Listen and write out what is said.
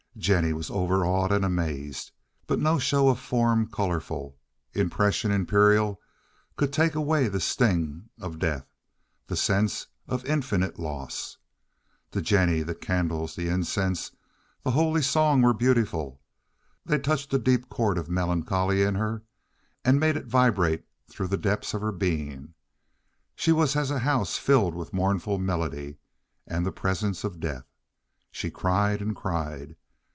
Jennie was overawed and amazed, but no show of form colorful, impression imperial, could take away the sting of death, the sense of infinite loss. To Jennie the candles, the incense, the holy song were beautiful. They touched the deep chord of melancholy in her, and made it vibrate through the depths of her being. She was as a house filled with mournful melody and the presence of death. She cried and cried.